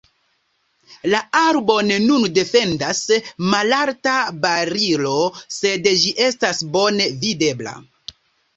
La arbon nun defendas malalta barilo, sed ĝi estas bone videbla.